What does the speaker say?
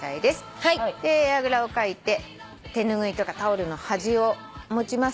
あぐらをかいて手拭いとかタオルのはじを持ちます。